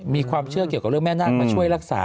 มีความเชื่อเกี่ยวกับเรื่องแม่นาคมาช่วยรักษา